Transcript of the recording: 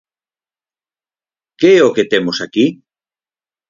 Que é o que temos aquí?